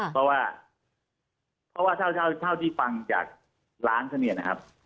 เพราะว่าเท่าที่ฟังจากร้านซะเนี่ยนะครับ